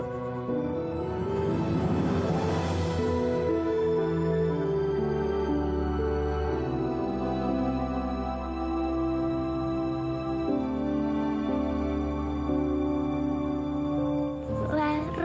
aku ingin